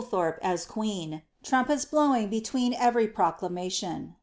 ^ thorpe as queen, trurapets blowing between every profUmntion.